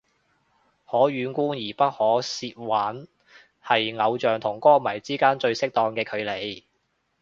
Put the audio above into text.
可遠觀而不可褻玩係偶像同歌迷之間最適當嘅距離